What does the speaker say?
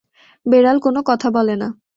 বেড়াল কোনো কথা বলে না।